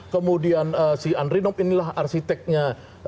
kemudian si andri nob inilah arsiteknya